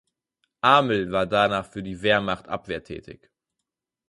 Ameln war danach für die Wehrmacht-Abwehr tätig.